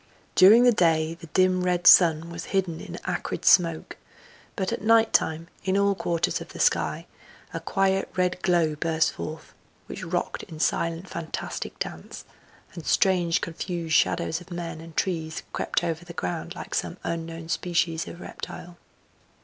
During the day the dim red sun was hidden in acrid smoke, but at night time in all quarters of the sky a quiet red glow burst forth, which rocked in silent, fantastic dance; and strange confused shadows of men and trees crept over the ground like some unknown species of reptile.